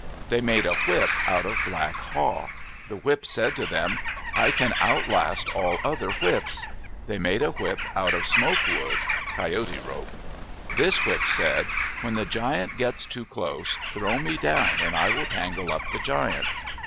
They made a whip out of black haw. The whip said to them, " I can outlast all other whips." They made a whip out of smoke wood (Coyote rope). This whip said, "When the giant gets too close, throw me down and I will tangle up the giant."